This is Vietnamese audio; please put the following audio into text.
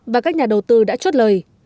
và các nhà đầu tư đã chốt lời